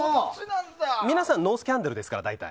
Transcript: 皆さん大体ノースキャンダルですから。